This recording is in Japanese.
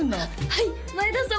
はい前田様